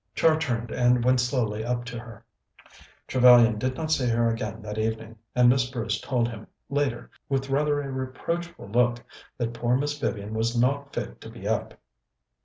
Char turned and went slowly up to her. Trevellyan did not see her again that evening, and Miss Bruce told him later, with rather a reproachful look, that poor Miss Vivian was not fit to be up.